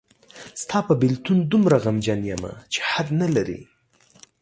ستاپه بیلتون دومره غمجن یمه چی حد نلری.